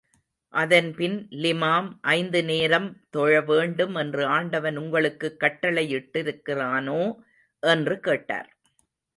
அதன்பின் லிமாம், ஐந்து நேரம் தொழ வேண்டும் என்று ஆண்டவன் உங்களுக்குக் கட்டளையிட்டிருக்கிறானோ? என்று கேட்டார்.